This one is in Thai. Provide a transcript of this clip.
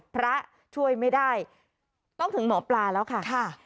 พระช่วยไม่ได้ต้องถึงหมอปลาแล้วค่ะ